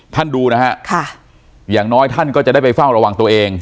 ดูนะฮะค่ะอย่างน้อยท่านก็จะได้ไปเฝ้าระวังตัวเอง